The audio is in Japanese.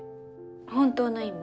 本当の意味？